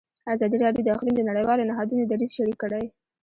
ازادي راډیو د اقلیم د نړیوالو نهادونو دریځ شریک کړی.